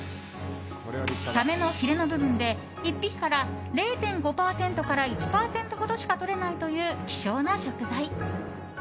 サメのヒレの部分で、１匹から０．５％から１％ほどしかとれないという希少な食材。